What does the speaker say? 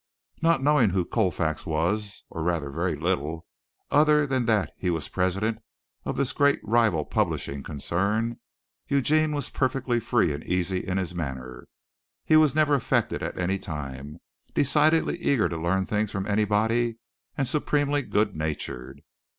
Not knowing who Colfax was, or rather very little, other than that he was president of this great rival publishing concern, Eugene was perfectly free and easy in his manner. He was never affected at any time, decidedly eager to learn things from anybody and supremely good natured.